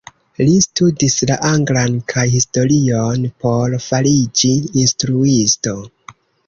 Li studis la anglan kaj historion por fariĝi instruisto.